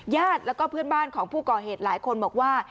ญาติแล้วก็เพื่อนบ้านของผู้ก่อเหตุหลายคนบอกว่า